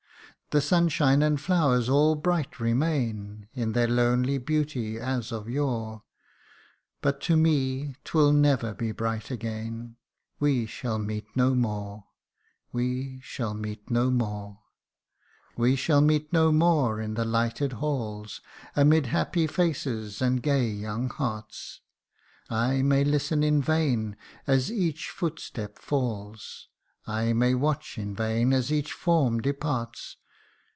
The sunshine and flowers all bright remain In their lonely beauty, as of yore ; But to me 'twill never be bright again We shall meet no more ! we shall meet no more ! CANTO II. 45 1 We shall meet no more in the lighted halls, Amid happy faces and gay young hearts ; I may listen in vain as each footstep falls, I may watch in vain as each form departs